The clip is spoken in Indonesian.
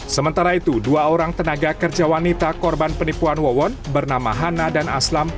sementara itu dua orang tenaga kerja wanita korban penipuan wawon bernama hana dan aslam